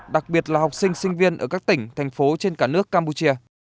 đặc biệt là học sinh sinh viên ở các tỉnh thành phố trên cả nước campuchia